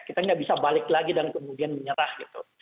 kita nggak bisa balik lagi dan kemudian menyerah gitu